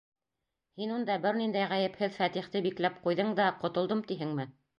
Һин унда бер ниндәй ғәйепһеҙ Фәтихте бикләп ҡуйҙың да ҡотолдом тиһеңме?